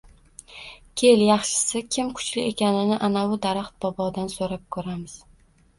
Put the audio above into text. kel yaxshisi kim kuchli ekanini anavi daraxt bobodan so‘rab ko‘ramiz